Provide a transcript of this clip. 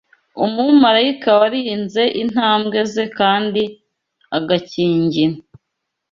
umumarayika warinze intambwe ze kandi agakingira